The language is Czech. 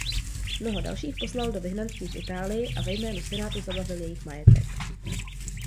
Mnoho dalších poslal do vyhnanství v Itálii a ve jménu senátu zabavil jejich majetek.